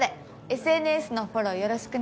ＳＮＳのフォローよろしくね。